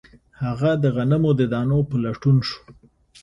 هغه د غنمو د دانو په لټون شو